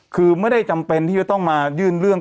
คือไม่ได้จำเป็นที่จะต้องมายื่นเรื่อง